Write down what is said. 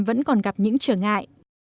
vẫn còn gặp những trở ngại